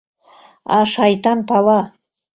— А шайтан пала!